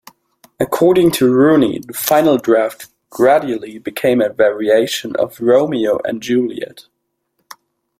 According to Rooney, the final draft gradually became a variation of "Romeo and Juliet".